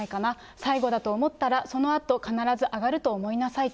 最後だと思ったら、そのあと必ず上がると思いなさいと。